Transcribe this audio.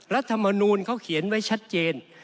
รัฐมนูลเขาเขียนไว้ชัดเจน